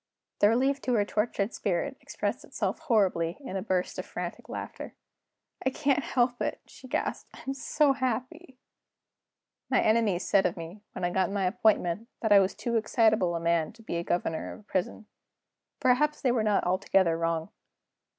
The relief to her tortured spirit expressed itself horribly in a burst of frantic laughter. "I can't help it," she gasped; "I'm so happy." My enemies said of me, when I got my appointment, that I was too excitable a man to be governor of a prison. Perhaps they were not altogether wrong.